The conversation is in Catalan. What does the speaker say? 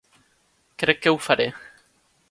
Crec que ho faré.